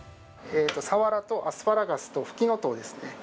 サワラとアスパラガスとフキノトウですね。